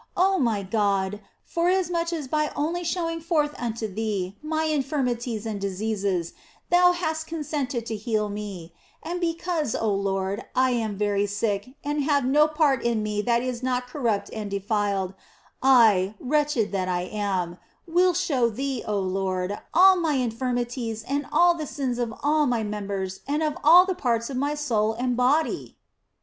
Oh my God, forasmuch as by only showing forth unto Thee my infirmities and diseases Thou hast consented to heal me, and because, oh Lord, I am very sick and have no part in me that is not corrupt and defiled, I, wretched that I am, will show Thee, oh Lord, all mine infirmities and all the sins of all my members and of all the parts of my soul and body